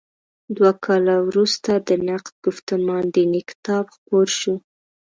دوه کاله وروسته د «نقد ګفتمان دیني» کتاب خپور شو.